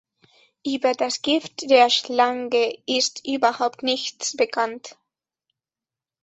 Über das Gift der Schlange ist überhaupt nichts bekannt.